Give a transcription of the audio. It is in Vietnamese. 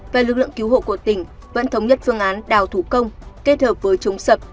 và lực lượng cứu hộ của tỉnh vẫn thống nhất phương án đào thủ công kết hợp với chống sập